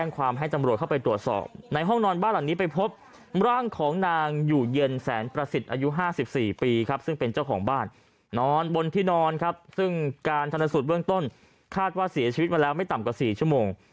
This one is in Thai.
การทราสุทธิ์เรื่องต้นคาดว่าเสียชีวิตมาแล้วไม่ต่ำกว่า๔ชั่วโมง